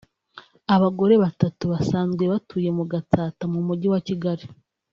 abagore batatu basanzwe batuye mu Gatsata mu Mujyi wa Kigali